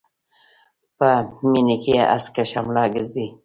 په مينې کې هسکه شمله ګرځي.